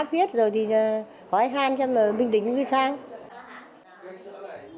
bác viết rồi thì hỏi hàn cho mình bình tĩnh như thế nào